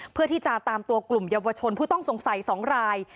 เพื่อที่จะตามตัวกลุ่มเยาวชนผู้ต้องสงสัย๒ราย